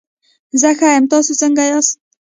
زه ښه یم، تاسو څنګه ياست؟